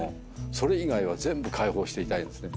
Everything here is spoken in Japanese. それ以外は全部解放していたいんですね。